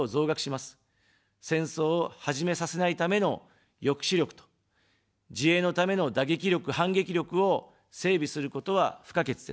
戦争を始めさせないための抑止力と、自衛のための打撃力、反撃力を整備することは不可欠です。